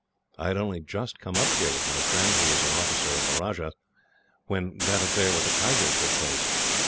I had only just come up here, with my friend, who is an officer of the Rajah's, when that affair with the tiger took place.